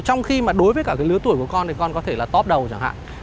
trong khi mà đối với cả cái lứa tuổi của con thì con có thể là top đầu chẳng hạn